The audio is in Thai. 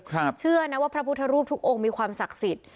เชื่อนะว่าพระพุทธรูปทุกองค์มีความศักดิ์สิทธิ์